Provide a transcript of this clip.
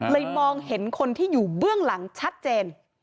มองเห็นคนที่อยู่เบื้องหลังชัดเจน